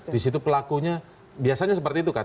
disitu pelakunya biasanya seperti itu kan